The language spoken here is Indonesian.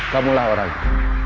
kamulah orang ini